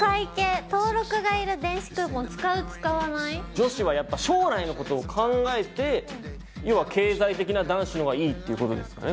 女子はやっぱ将来のことを考えて要は経済的な男子のほうがいいっていうことですよね